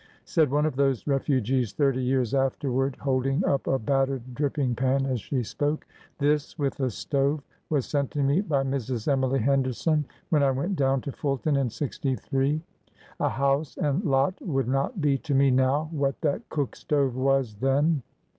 '' Said one of those refugees thirty years afterward, hold ing up a battered dripping pan as she spoke : This, with a stove, was sent to me by Mrs. Emily Henderson when I went down to Fulton in '63. A house and lot would not be to me now what that cook stove was then